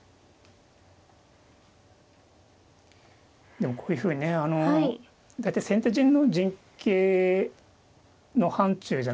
でもこういうふうにねあの大体先手陣の陣形の範ちゅうじゃないですか。